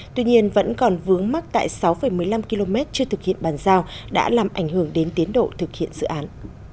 tuy nhiên vẫn còn vướng mắc tại sáu một mươi năm km chưa thực hiện bàn giao đã làm ảnh hưởng đến tiến độ thực hiện dự án